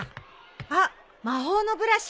あっ魔法のブラシ。